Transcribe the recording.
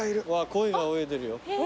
コイが泳いでるよ。